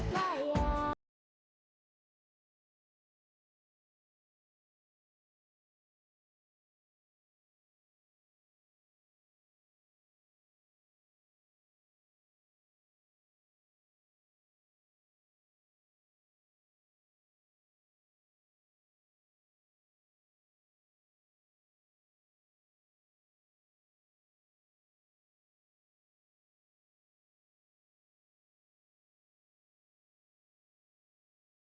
kayak ada kata kata tungguin bisa kayak segitu aja